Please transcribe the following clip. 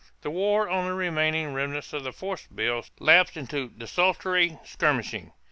The war on the remaining remnants of the "force bills" lapsed into desultory skirmishing.